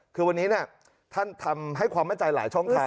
คือวันนี้ท่านทำให้ความมั่นใจหลายช่องทาง